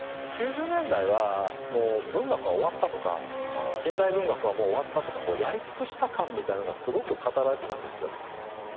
９０年代は文学は終わったとか近代文学はもう終わったとかやり尽くした感みたいなのがすごく語られてたんですよ。